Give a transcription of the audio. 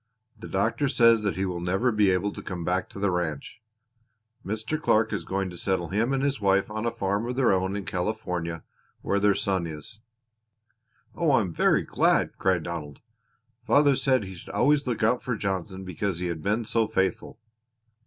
The doctor says that he will never be able to come back to the ranch. Mr. Clark is going to settle him and his wife on a farm of their own in California, where their son is." "Oh, I am very glad!" cried Donald. "Father said he should always look out for Johnson because he had been so faithful."